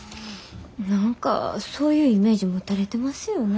何かそういうイメージ持たれてますよね。